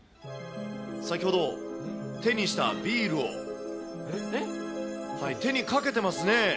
先ほど、手にしたビールを手にかけてますね。